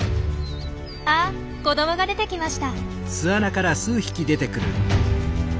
あっ子どもが出てきました。